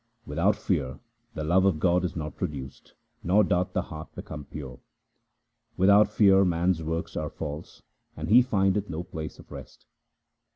Without fear the love of God is not produced, nor doth the heart become pure. Without fear man's works are false, and he findeth no place of rest.